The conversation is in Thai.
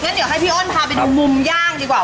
ไงให้พี่โอนค์พาไปดูมันย่างดีกว่า